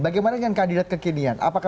bagaimana dengan kandidat kekinian